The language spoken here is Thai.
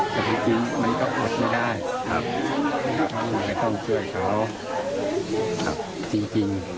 แต่จริงไม่ก็ปลอดภัยได้